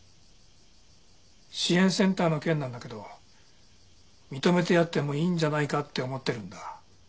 支援センターの件なんだけど認めてやってもいいんじゃないかって思ってるんだ。